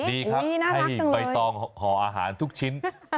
ดีครับให้ใบตองห่ออาหารทุกชิ้น